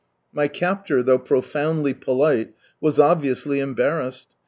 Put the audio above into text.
My captor though profoundly polite, was obviously embarrassed.